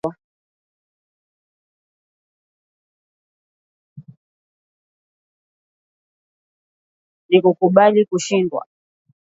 na kukubali kushindwa iwapo upigaji kura utakuwa huru na wa haki